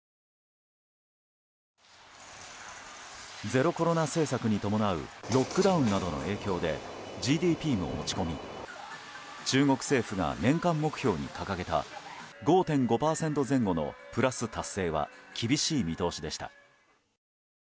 ゼロコロナ政策に伴うロックダウンなどの影響でＧＤＰも落ち込み中国政府が年間目標に掲げた５．５％前後のプラス達成は厳しい見通しでした。